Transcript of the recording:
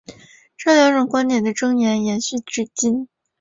这两种观点的争议延续至今。